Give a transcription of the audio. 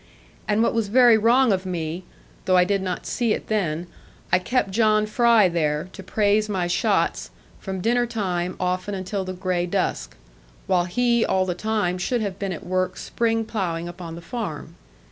And what was very wrong of me, though I did not see it then, I kept John Fry there, to praise my shots, from dinner time often until the grey dusk, while he all the time should have been at work spring ploughing upon the farm.